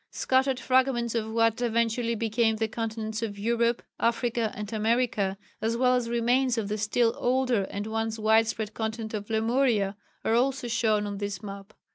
Scattered fragments of what eventually became the continents of Europe, Africa and America, as well as remains of the still older, and once wide spread continent of Lemuria, are also shown on this map.